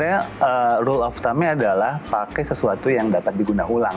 nah rule of thumbnya adalah pakai sesuatu yang dapat digunakan ulang